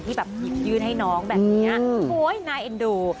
ที่แบบยืนให้น้องแบบนี้โอ๊ยนายเอ็นดู